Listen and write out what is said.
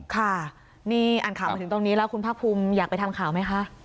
ค่ะนี่อ่านข่าวมาถึงตรงนี้แล้วคุณภาคภูมิอยากไปทำข่าวไหมคะ